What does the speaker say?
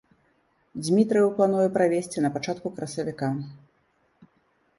Дзмітрыеў плануе правесці на пачатку красавіка.